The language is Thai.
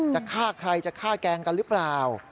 จะฆ่าใครจะฆ่าแกล้งกันหรือเปล่า